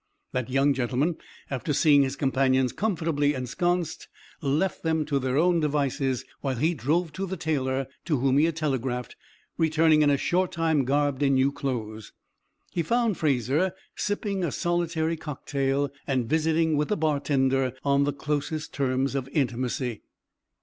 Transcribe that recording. That young gentleman, after seeing his companions comfortably ensconced, left them to their own devices while he drove to the tailor to whom he had telegraphed, returning in a short time garbed in new clothes. He found Fraser sipping a solitary cocktail and visiting with the bartender on the closest terms of intimacy.